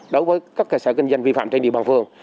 đối với các cơ sở kinh doanh vi phạm trên địa bàn phường